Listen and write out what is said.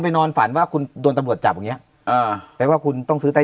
นอนฝันว่าคุณโดนตำรวจจับอย่างเงี้อ่าแปลว่าคุณต้องซื้อใต้